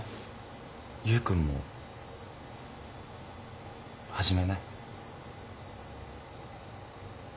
優君も始めない？